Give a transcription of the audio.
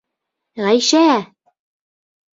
— Ғәйшә!